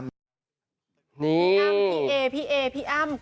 อ้ำพี่เอพี่เอพี่อ้ำ